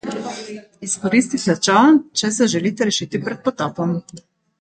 Izkoristite čoln, če se želite rešiti pred potopom.